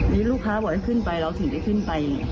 นี่ลูกค้าบอกให้ขึ้นไปเราถึงได้ขึ้นไป